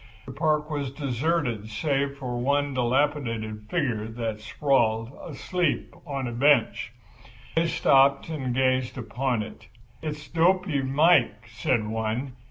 The park was deserted save for one dilapidated figure that sprawled, asleep, on a bench. They stopped and gazed upon it. "It's Dopy Mike," said one.